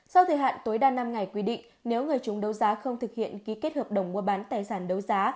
sau thời hạn tối đa năm ngày quy định nếu người chúng đấu giá không thực hiện ký kết hợp đồng mua bán tài sản đấu giá